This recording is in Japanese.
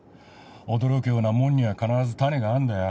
驚くようなもんには必ずタネがあるんだよ。